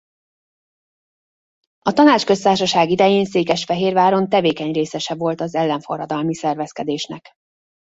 A Tanácsköztársaság idején Székesfehérváron tevékeny részese volt az ellenforradalmi szervezkedésnek.